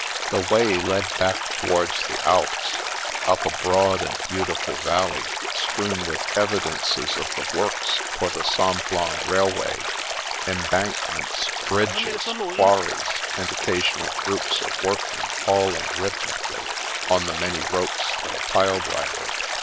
The way led back towards the Alps, up a broad and beautiful valley strewn with evidences of the works for the Simplon railway: embankments, bridges, quarries, and occasional groups of workmen hauling rhyth mically on the many ropes of a pile driver.